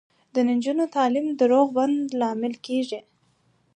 د نجونو تعلیم د روغ بدن لامل کیږي.